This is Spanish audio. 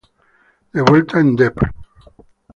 De vuelta en Dep.